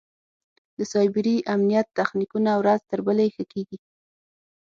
د سایبري امنیت تخنیکونه ورځ تر بلې ښه کېږي.